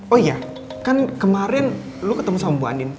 oh iya kan kemarin lu ketemu sama bu andin